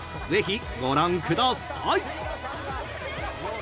［ぜひご覧ください！］